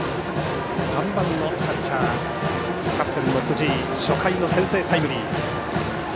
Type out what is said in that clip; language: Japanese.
３番のキャッチャーキャプテンの辻井初回の先制タイムリー。